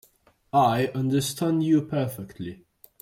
I understand you perfectly.